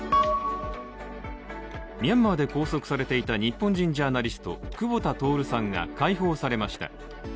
ミャンマーで拘束されていた日本人ジャーナリスト、久保田徹さんが解放されました。